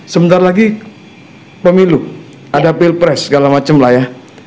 sebentar lagi pemilu ada pilpres segala macam lah ya